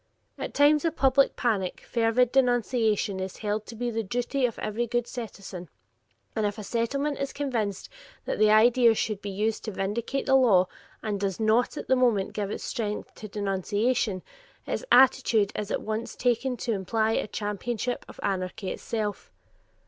At times of public panic, fervid denunciation is held to be the duty of every good citizen, and if a Settlement is convinced that the incident should be used to vindicate the law and does not at the moment give its strength to denunciation, its attitude is at once taken to imply a championship of anarchy itself.